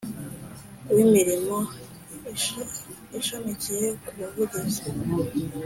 w imirimo ishamikiye ku buvuzi